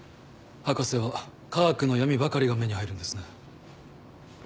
博士は科学の闇ばかりが目に入るんですね。